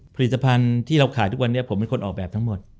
ผลิตภัณฑ์ที่เราขายทุกวันนี้ผมเป็นคนออกแบบทั้งหมด